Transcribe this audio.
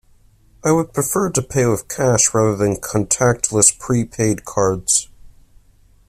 I would prefer to pay with cash rather than contactless prepaid cards.